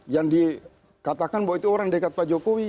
yang dikatakan bahwa itu orang dekat pak jokowi